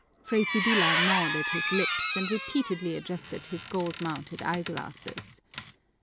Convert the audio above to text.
Fray Sibyla gnawed at his lips and repeatedly adjusted his gold mounted eye glasses.